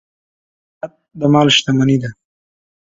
قناعت د مال شتمني ده.